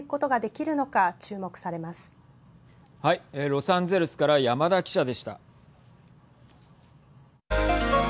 ロサンゼルスから山田記者でした。